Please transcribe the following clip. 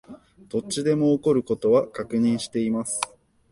どっちでも起こる事は確認しています